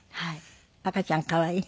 赤ちゃん可愛い？